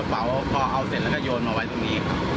พอเอาเสร็จเราก็โยนมาไปตรงนี้